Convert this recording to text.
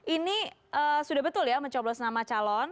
ini sudah betul ya mencoblos nama calon